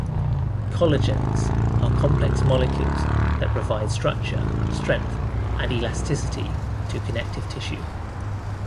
Collagens are complex molecules that provide structure, strength, and elasticity to connective tissue.